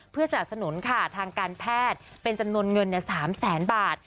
เพื่อสนับสนุนค่ะทางการแพทย์เป็นจำนวนเงิน๓แสนบาท